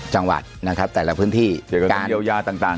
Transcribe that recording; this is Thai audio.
จังหวัดนะครับแต่ละพื้นที่เกี่ยวกับการเยียวยาต่าง